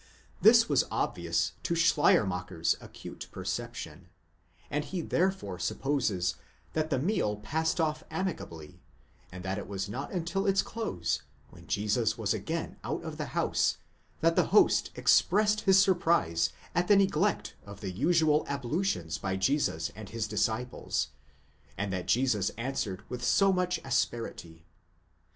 This was obvious to Schleiermacher's acute perception ; and he therefore supposes that the meal passed off amicably, and that it was not until its close, when Jesus was again out of the house, that the host expressed his surprise at the neglect of the usual ablutions by Jesus and his disciples, and that Jesus answered with so much asperity.